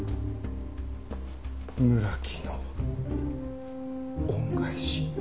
村木の恩返し。